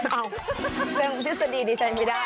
เรื่องทฤษฎีดิฉันไม่ได้